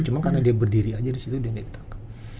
cuma karena dia berdiri aja disitu dan ditangkap